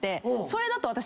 それだと私。